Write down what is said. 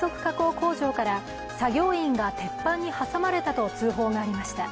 工場から作業員が鉄板に挟まれたと通報がありました。